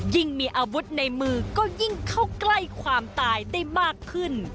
ยิ่งมีอาวุธในมือก็ยิ่งเข้าใกล้ความตายได้มากขึ้น